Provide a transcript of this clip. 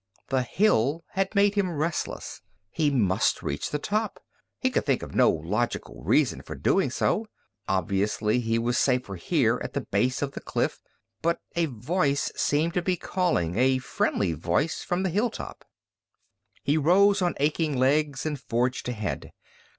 The hill had made him restless. He must reach the top. He could think of no logical reason for doing so. Obviously he was safer here at the base of the cliff, but a voice seemed to be calling, a friendly voice from the hilltop. He rose on aching legs and forged ahead.